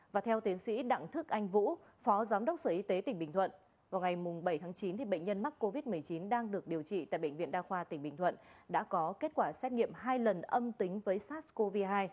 và theo tiến sĩ đặng thức anh vũ phó giám đốc sở y tế tỉnh bình thuận vào ngày bảy tháng chín bệnh nhân mắc covid một mươi chín đang được điều trị tại bệnh viện đa khoa tỉnh bình thuận đã có kết quả xét nghiệm hai lần âm tính với sars cov hai